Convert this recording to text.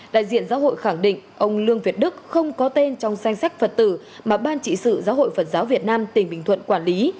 đại diện giáo hội khẳng định ông lương việt đức không có tên trong danh sách phật tử mà ban trị sự giáo hội phật giáo việt nam tỉnh bình thuận quản lý